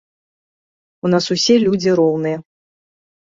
У нас усе людзі роўныя.